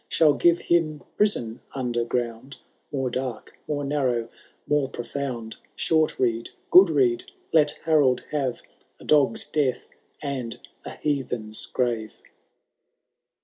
Shall give him prison under ground More dark, more narrow, mora profound. Short rede, good rede, let Harold haT^ A dog*s death and a heathen*s gruTe.